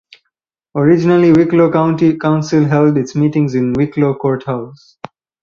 Originally Wicklow County Council held its meetings in Wicklow Courthouse.